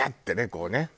こうね